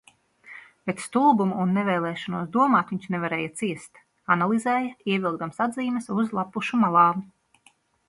Bet stulbumu un nevēlēšanos domāt viņš nevarēja ciest. Analizēja, ievilkdams atzīmes uz lappušu malām.